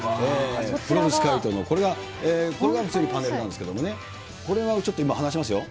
ペロブスカイトの、これが普通にパネルなんですけどもね、これを今ちょっと離しますよ。